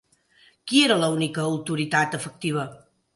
Qui era l'única autoritat efectiva?